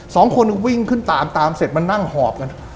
สองคนวิ่งขึ้นตามตามเสร็จมานั่งหอบกัน